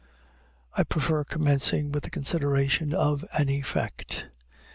I prefer commencing with the consideration of an effect.